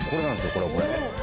これこれ。